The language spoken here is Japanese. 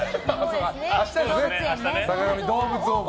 明日「坂上どうぶつ王国」